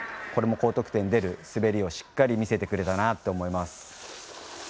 高得点の出る滑りをしっかり見せてくれたと思います。